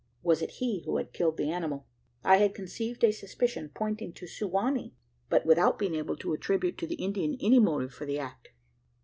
Was it he who had killed the animal? I had conceived a suspicion pointing to Su wa nee but without being able to attribute to the Indian any motive for the act.